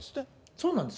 そうなんです。